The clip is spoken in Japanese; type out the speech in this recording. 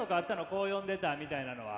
こう呼んでたみたいなのは。